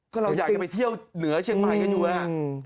ก็เราอยากจะไปเที่ยวเหนือเชียงใหม่กันอยู่ไหม